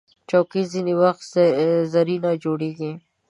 چوکۍ ځینې وخت زرینه جوړیږي.